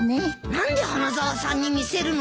何で花沢さんに見せるのさ。